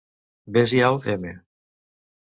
Ves-hi al m